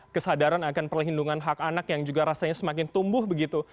kesadaran akan perlindungan hak anak yang juga rasanya semakin tumbuh begitu